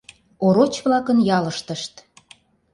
ОРОЧ-ВЛАКЫН ЯЛЫШТЫШТ